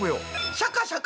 シャカシャカ。